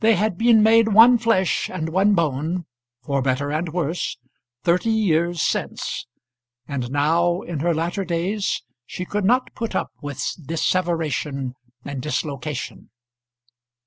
They had been made one flesh and one bone, for better and worse, thirty years since; and now in her latter days she could not put up with disseveration and dislocation.